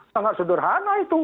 sangat sederhana itu